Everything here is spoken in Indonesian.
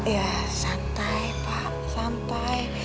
ya santai pak santai